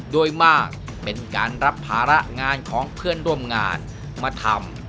โดยมากเป็นการรับภาระงานของเพื่อนร่วมงานมาทำ